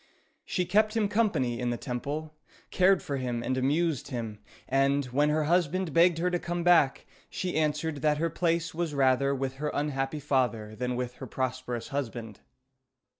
She kept him company in the temple, cared for him and amused him, and, when her husband begged her to come back, she answered that her place was rather with her unhappy father than with her prosperous husband.